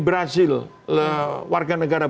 brazil warga negara